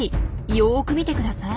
よく見てください。